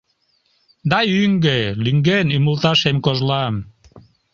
Да ӱҥгӧ, лӱҥген, ӱмылта шем кожлам.